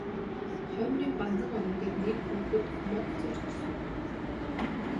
Хоймрын банзан орон дээр нэг хүүхэд мод зорьж сууна.